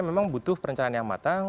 memang butuh perencanaan yang matang